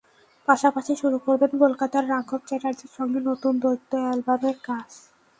পাশাপাশি শুরু করবেন কলকাতার রাঘব চ্যাটার্জির সঙ্গে নতুন দ্বৈত অ্যালবামের কাজ।